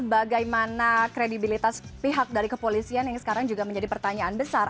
bagaimana kredibilitas pihak dari kepolisian yang sekarang juga menjadi pertanyaan besar